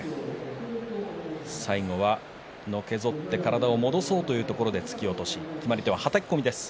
最後は、のけぞってから体を戻そうというところで突き落とし決まり手は、はたき込みです。